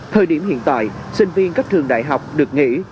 thời điểm hiện tại sinh viên các trường đại học được nghỉ